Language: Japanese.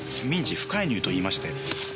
民事不介入といいまして。